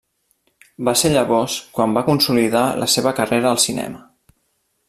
Va ser llavors quan va consolidar la seva carrera al cinema.